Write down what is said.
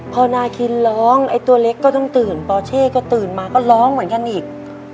พอนาคินร้องไอ้ตัวเล็กก็ต้องตื่นปอเช่ก็ตื่นมาก็ร้องเหมือนกันอีก